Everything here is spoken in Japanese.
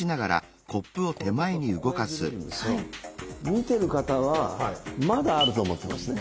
見てる方はまだあると思ってますね。